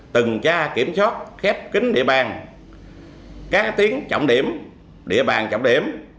từng tra kiểm soát khép kính địa bàn các tiến trọng điểm địa bàn trọng điểm